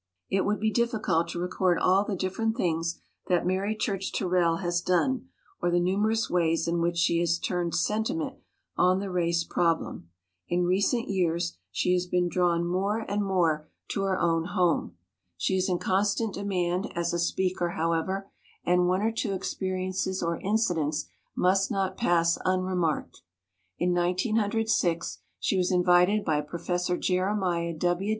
It would be difficult to record all the dif ferent things that Mary Church Terrell has done or the numerous ways in which she has turned sentiment on the race problem. In recent years she has been drawn more and 90 WOMEN OF ACHIEVEMENT more to her own home. She is in constant demand as a speaker, however, and one or two experiences or incidents must not pass unremarked. In 1906 she was invited by Prof. Jeremiah W.